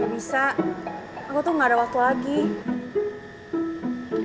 bisa aku tuh gak ada waktu lagi